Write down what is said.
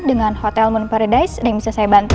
dengan hotel moon paradise yang bisa saya bantu